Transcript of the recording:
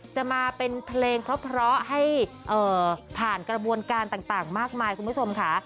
จะมาเป็นเพลงเพราะให้ผ่านกระบวนการต่างมากมายคุณผู้ชมค่ะ